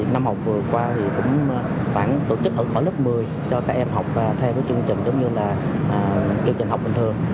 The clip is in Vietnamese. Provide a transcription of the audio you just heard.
năm học vừa qua thì cũng tổ chức ở khỏi lớp một mươi cho các em học theo chương trình học bình thường